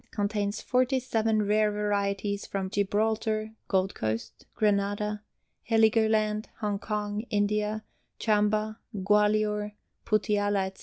Contains 47 rare varieties from Gibraltar, Gold Coast, Grenada, Heligoland, Hong Kong, India, Chamba, Gwalior, Puttialla, etc.